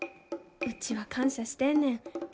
うちは感謝してんねん。